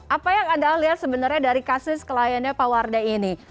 apa yang anda lihat sebenarnya dari kasus kliennya pak wardah ini